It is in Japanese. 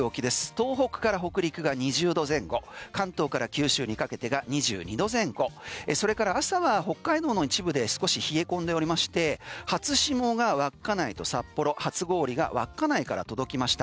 東北から北陸が２０度前後関東から九州にかけてが２２度前後それから朝は北海道の一部で少し冷え込んでおりまして初霜が稚内と札幌初氷が稚内から届きました。